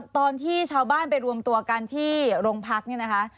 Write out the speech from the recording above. ตอนที่ชาวบ้านไปรวมตัวกันที่โรงพักเนี่ยนะคะ